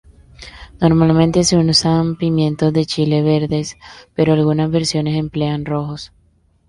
Normalmente se usan pimientos de chile verdes, pero algunas versiones emplean rojos.